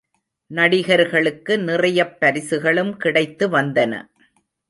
நடிகர்களுக்கு நிறையப் பரிசுகளும் கிடைத்து வந்தன.